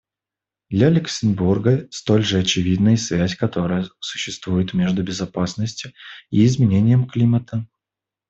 Для Люксембурга столь же очевидна и связь, которая существует между безопасностью и изменением климата.